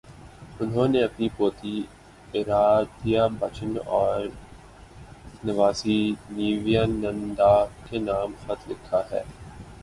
انہوں نے اپنی پوتی ارادھیابچن اور نواسی نیویا ننداکے نام خط لکھا ہے۔